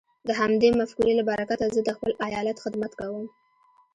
د همدې مفکورې له برکته زه د خپل ايالت خدمت کوم.